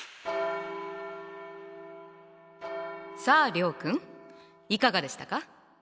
さあ諒君いかがでしたか？